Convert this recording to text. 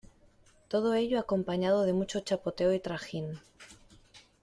todo ello acompañado de mucho chapoteo y trajín.